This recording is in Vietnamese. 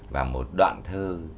và một đoạn thơ